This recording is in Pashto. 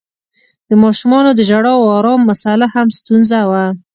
د ماشومانو د ژړا او آرام مسآله هم ستونزه وه.